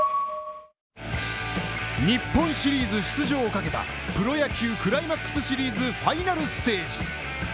日本シリーズ出場をかけたプロ野球クライマックスシリーズファイナルステージ。